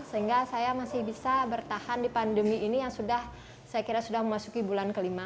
sehingga saya masih bisa bertahan di pandemi ini yang sudah saya kira sudah memasuki bulan kelima